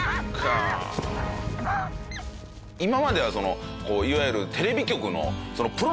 今まではいわゆる。